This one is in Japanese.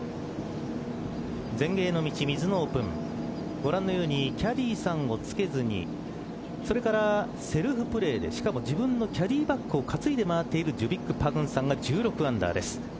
ご覧のようにキャディーさんをつけずにそれからセルフプレーでしかも自分のキャディーバックを担いで回っているジュビック・パグンサンが１６アンダーです。